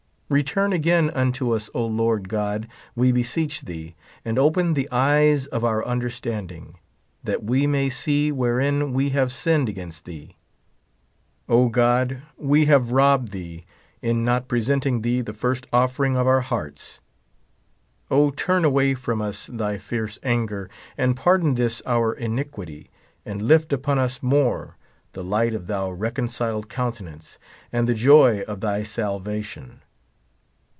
Return again unto us, O Lord God, we beseech thee, and open the eyes of our understanding, that we may see wherein we have sinned against thee. O God, we have robbed thee, in not presenting thee the first offering of our hearts. O turn away from us thy fierce anger, and pardon this our iniquity, and lift upon us more the light of thou reconciled countenance, and the joy of thy salva tion.